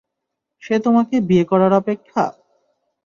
সে তোমাকে বিয়ে করার অপেক্ষা?